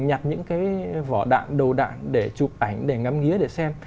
nhặt những cái vỏ đạn đầu đạn để chụp ảnh để ngắm vía để xem